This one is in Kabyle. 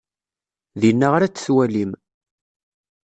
Dinna ara t-twalim.